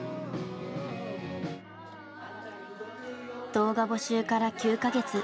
動画募集から９か月。